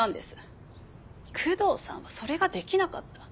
久遠さんはそれができなかった。